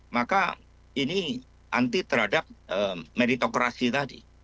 maka ini anti terhadap meritokrasi tadi